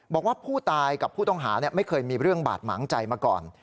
บอกว่าผู้ตายกับผู้ต้องหาไม่เคยมีเรื่องบาดหมางใจมาก่อน